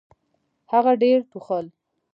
هغه ډېر ټوخل .